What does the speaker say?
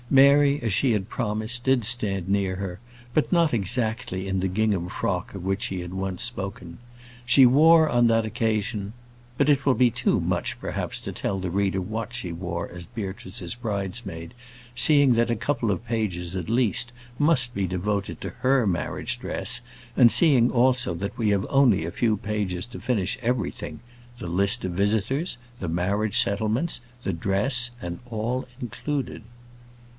Mary, as she had promised, did stand near her; but not exactly in the gingham frock of which she had once spoken. She wore on that occasion But it will be too much, perhaps, to tell the reader what she wore as Beatrice's bridesmaid, seeing that a couple of pages, at least, must be devoted to her marriage dress, and seeing, also, that we have only a few pages to finish everything; the list of visitors, the marriage settlements, the dress, and all included.